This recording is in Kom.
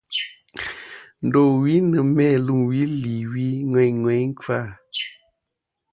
Ndowi ni-a mæ lumwi li wi ŋweyna ŋweyn ŋweyn kfa.